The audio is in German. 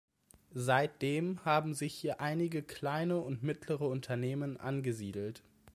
Seitdem haben sich hier einige kleine und mittlere Unternehmen angesiedelt.